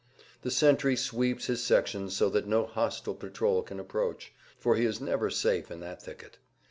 The sentry sweeps his section so that no hostile patrol can approach, for he is never safe in that thicket.